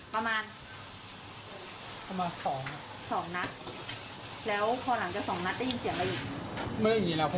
ไม่อย่างนี้แหละพวกมันกินของแล้วก็กลับ